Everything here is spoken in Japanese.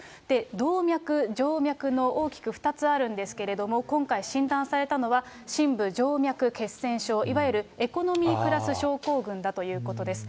動脈、静脈の大きく２つあるんですけれども、今回、診断されたのは、深部静脈血栓症、いわゆるエコノミークラス症候群だということです。